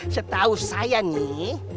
setahu saya nih